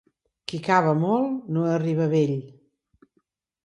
Qui cava molt no arriba a vell.